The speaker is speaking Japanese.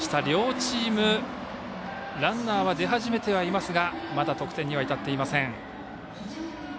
両チーム、ランナーが出始めてはいますがまだ得点にはいたっていません。